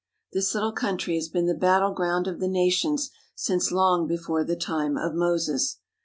This little country has been the battleground of the nations since long before the time of Moses.